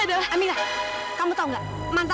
jangan jalan dulu tante